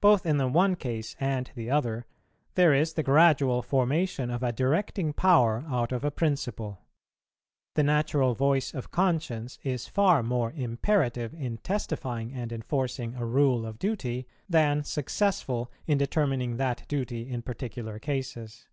Both in the one case and the other, there is the gradual formation of a directing power out of a principle. The natural voice of Conscience is far more imperative in testifying and enforcing a rule of duty, than successful in determining that duty in particular cases.